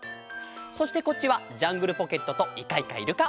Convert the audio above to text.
そしてこっちは「ジャングルポケット」と「イカイカイルカ」！